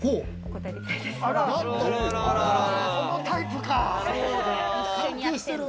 このタイプか。